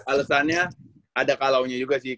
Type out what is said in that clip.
alasannya ada kalaunya juga sih